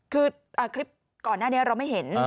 คือคลิปก่อนหน้านี้เราไม่เห็น